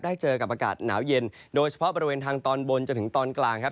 เจอกับอากาศหนาวเย็นโดยเฉพาะบริเวณทางตอนบนจนถึงตอนกลางครับ